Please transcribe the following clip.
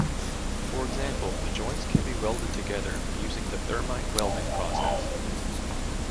For example, the joints can be welded together using the thermite welding process.